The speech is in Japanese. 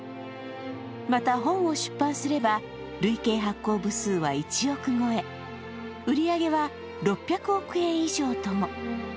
また本を出版すれば累計発行部数は１億超え、売り上げは６００億円以上とも。